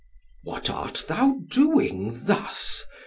"What art thou doing thus?"